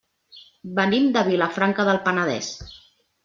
Venim de Vilafranca del Penedès.